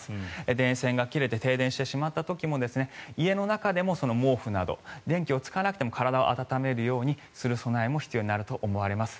電線が切れて停電してしまった時も家の中でも毛布など電気を使わなくても体を温めるようにする備えも必要になると思われます。